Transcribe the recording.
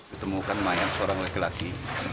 ditemukan mayat seorang laki laki